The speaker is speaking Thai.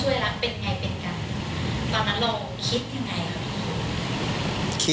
ตอนนั้นเราคิดยังไงครับพี่